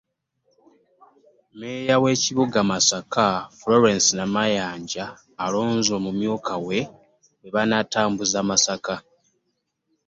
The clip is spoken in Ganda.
Mmeeya w'ekibuga Masaka, Florence Namayanja alonze omumyuka we bwe bannatambuza Masaka.